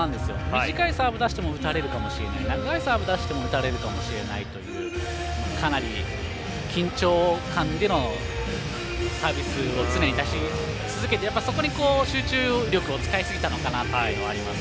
短いサーブを出しても打たれるかもしれない長いサーブを出しても打たれるかもしれないというかなり、緊張感でのサービスを常に出し続けてそこに集中力を使いすぎたのかなというのはあります。